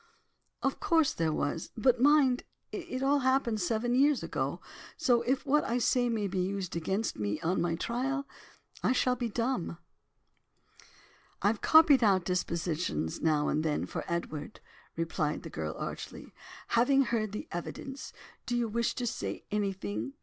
"Of course there was, but mind, it all happened seven years ago. So if what I say may be used against me on my trial, I shall be dumb." "I've copied out depositions now and then, for Edward," replied the girl, archly. "Having heard the evidence, do you wish to say anything?